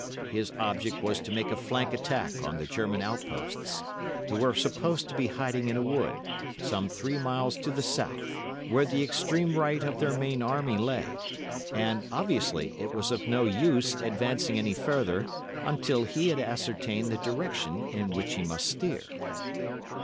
His object was to make a flank attack on the German outposts, who were supposed to be in hiding in a wood, some three miles to the south of T——, where the extreme right of their main army lay, and obviously it was of no use advancing any further until he had ascertained the direction in which he must steer.